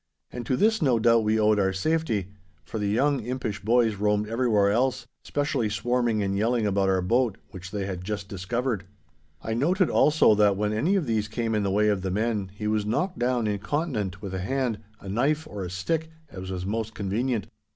And to this no doubt we owed our safety, for the young impish boys roamed everywhere else, specially swarming and yelling about our boat, which they had just discovered. I noted, also, that when any of these came in the way of the men, he was knocked down incontinent with a hand, a knife, or a stick, as was most convenient.